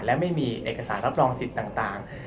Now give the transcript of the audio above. และไม่มีเอกสารรับรองสิทธิ์ต่าง